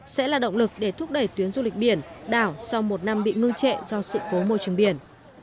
sẽ là động lực để thúc đẩy tuyến du lịch biển đảo sau một năm bị ngưng trệ do sự cố môi trường biển